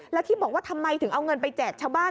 แล้วที่บอกว่าทำไมถึงเอาเงินไปแจกชาวบ้าน